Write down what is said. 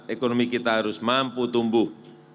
ekonomi kita harus mampu tumbuh